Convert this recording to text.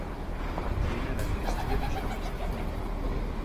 Appartiene alla dinastia di ceramisti Fontana.